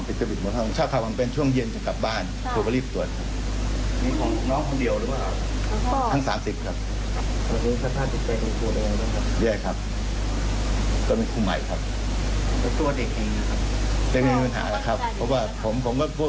ปิดจุบินต่อห้อง